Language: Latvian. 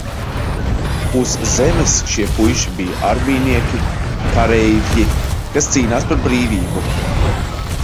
Uz Zemes šie puiši bija armijnieki, kareivji, kas cīnās par brīvību.